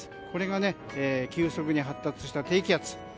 これが急速に発達した低気圧。